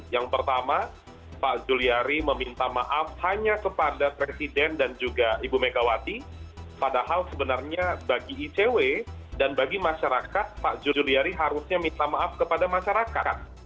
yang pertama pak juliari meminta maaf hanya kepada presiden dan juga ibu megawati padahal sebenarnya bagi icw dan bagi masyarakat pak juliari harusnya minta maaf kepada masyarakat